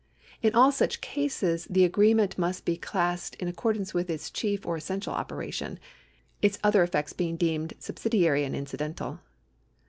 In all such cases the agree ment must be classed in accordance with its chief or essential operation, its other effects being deemed subsidiary and incidental.